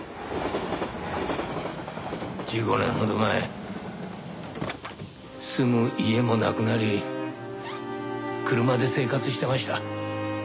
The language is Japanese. １５年ほど前住む家もなくなり車で生活してました。